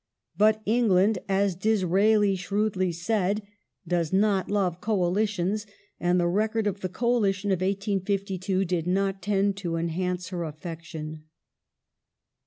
^ But England, as Disraeli shrewdly said, does not love coalitions, and the record of the Coalition of 1852 did not tend to enhance her affection.